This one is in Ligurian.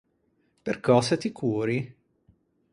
Percöse ti cori?